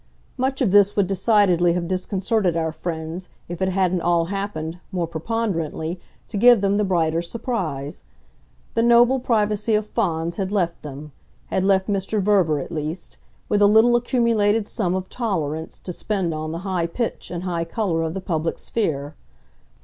Much of this would decidedly have disconcerted our friends if it hadn't all happened, more preponderantly, to give them the brighter surprise. The noble privacy of Fawns had left them had left Mr. Verver at least with a little accumulated sum of tolerance to spend on the high pitch and high colour of the public sphere.